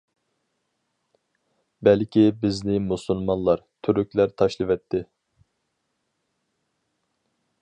بەلكى بىزنى مۇسۇلمانلار، تۈركلەر تاشلىۋەتتى.